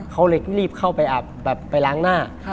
เขาเลยรีบเข้าไปอาบแบบไปล้างหน้า